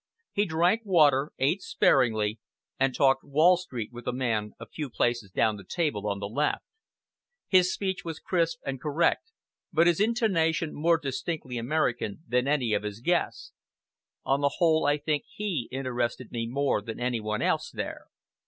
He drank water, ate sparingly, and talked Wall Street with a man a few places down the table on the left. His speech was crisp and correct, but his intonation more distinctly American than any of his guests'. On the whole, I think he interested me more than any one else there.